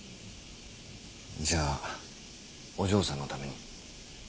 じゃあお嬢さんのために？